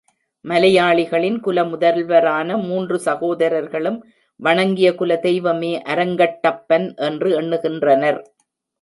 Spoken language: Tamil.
மலையாளிகளின் குல முதல்வரான மூன்று சகோதரர்களும் வணங்கிய குல தெய்வமே அரங்கட்டப்பன் என்று எண்ணுகின்றனர்.